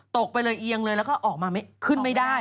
ไปเลยเอียงเลยแล้วก็ออกมาขึ้นไม่ได้